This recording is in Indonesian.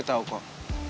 gue tau kok